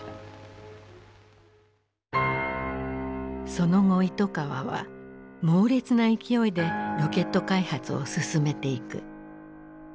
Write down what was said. その後糸川は猛烈な勢いでロケット開発を進めていく。